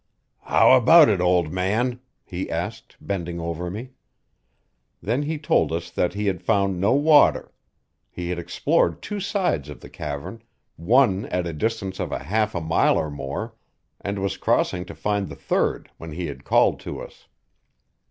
"How about it, old man?" he asked, bending over me. Then he told us that he had found no water. He had explored two sides of the cavern, one at a distance of half a mile or more, and was crossing to find the third when he had called to us.